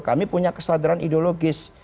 kami punya kesadaran ideologis